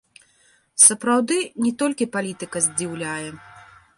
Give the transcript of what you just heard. Сапраўды, не толькі палітыка здзіўляе.